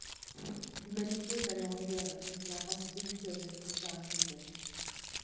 L’humanité est alors en guerre contre la race belliqueuse des Arachnides.